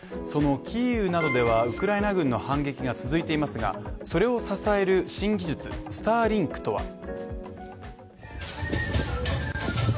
そのキーウなどではウクライナ軍の反撃が続いていますがそれを支える新技術、スターリンクとは。